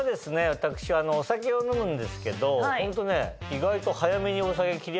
私はお酒を飲むんですけどホントね意外と。